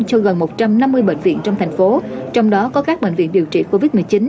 cho gần một trăm năm mươi bệnh viện trong thành phố trong đó có các bệnh viện điều trị covid một mươi chín